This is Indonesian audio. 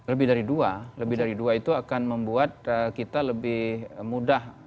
lebih dari dua lebih dari dua itu akan membuat kita lebih mudah